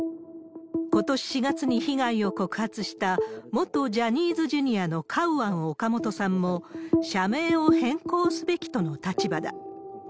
ことし４月に被害を告発した、元ジャニーズＪｒ．のカウアン・オカモトさんも、社名を変更すべきとの立場だ。